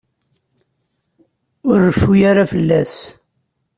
Ur reffu ara fell-as.